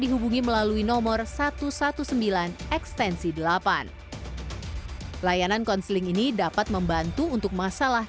dihubungi melalui nomor satu ratus sembilan belas ekstensi delapan layanan konseling ini dapat membantu untuk masalah